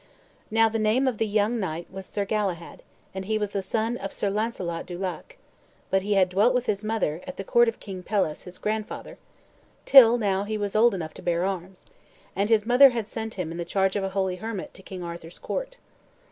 Now the name of the young knight was Sir Galahad, and he was the son of Sir Launcelot du Lac; but he had dwelt with his mother, at the court of King Pelles, his grandfather, till now he was old enough to bear arms, and his mother had sent him in the charge of a holy hermit to King Arthur's court.